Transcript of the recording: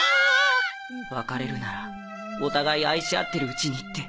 別れるならお互い愛し合ってるうちにって。